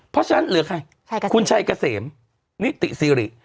เพราะฉะนั้นเหลือใครคุณชัยเกษมนิติซีริ